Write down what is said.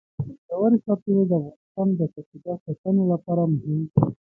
ژورې سرچینې د افغانستان د چاپیریال ساتنې لپاره مهم دي.